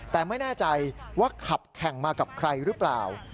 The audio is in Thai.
แต่ไม่แน่ใจว่าขับแข่งมากับใครหรือเปล่า